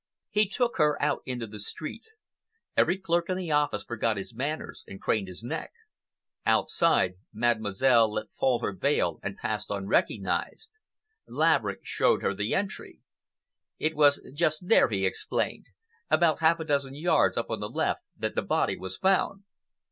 He took her out into the street. Every clerk in the office forgot his manners and craned his neck. Outside, Mademoiselle let fall her veil and passed unrecognized. Laverick showed her the entry. "It was just there," he explained, "about half a dozen yards up on the left, that the body was found."